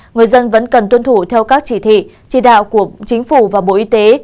người dân vẫn cần tuân thủ theo các chỉ thị chỉ đạo của chính phủ và bộ y tế